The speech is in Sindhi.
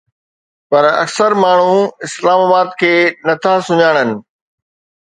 پر اڪثر ماڻهو اسلام آباد کي نٿا سڃاڻن